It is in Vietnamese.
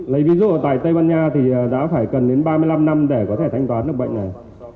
lấy ví dụ ở tại tây ban nha thì đã phải cần đến ba mươi năm năm để có thể thanh toán được bệnh này